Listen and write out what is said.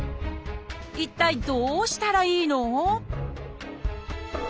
一体どうしたらいいの？